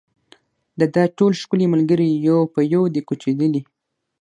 د ده ټول ښکلي ملګري یو په یو دي کوچېدلي